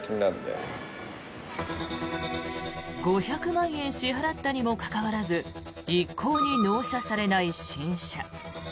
５００万円支払ったにもかかわらず一向に納車されない新車。